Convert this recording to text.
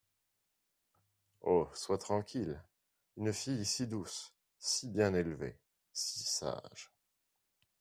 Oh ! sois tranquille ! une fille si douce ! si bien élevée ! si sage !